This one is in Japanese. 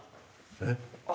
えっ？